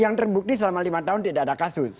yang terbukti selama lima tahun tidak ada kasus